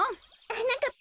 はなかっ